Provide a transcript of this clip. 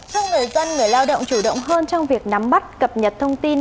thông người quân người lao động chủ động hơn trong việc nắm bắt cập nhật thông tin